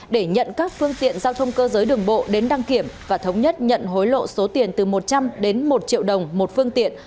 để nhận các phương tiện giao thông cơ giới đường bộ đến đăng kiểm và thống nhất nhận hối lộ số tiền từ một trăm linh đến một triệu đồng một phương tiện